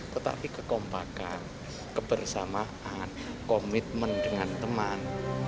tetapi kekompakan kebersamaan komitmen dengan teman